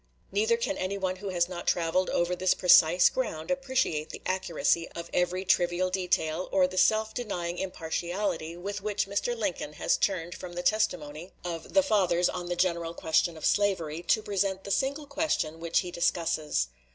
Neither can any one who has not traveled over this precise ground appreciate the accuracy of every trivial detail, or the self denying impartiality with which Mr. Lincoln has turned from the testimony of 'the fathers' on the general question of slavery, to present the single question which he discusses.